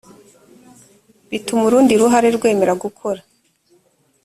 bituma urundi ruhande rwemera gukora